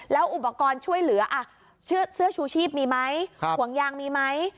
แล้วอุปกรณ์ช่วยเหลือเสื้อชูชีพมีไหมห่วงยางมีไหม